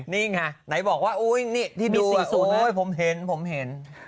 นี่ไงไหนบอกว่าที่ดูผมเห็น